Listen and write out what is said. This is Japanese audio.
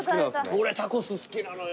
俺タコス好きなのよ。